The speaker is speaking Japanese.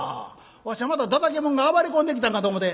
わしはまたダダケモンが暴れ込んできたんかと思て」。